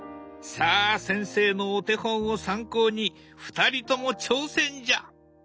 さあ先生のお手本を参考に２人とも挑戦じゃ！